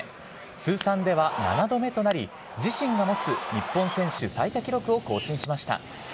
通算では７度目となり、自身が持つ日本選手最多記録を更新しました。